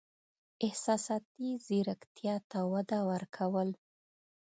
احساساتي زیرکتیا ته وده ورکول: